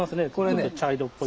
ちょっと茶色っぽい。